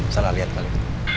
salah liat kali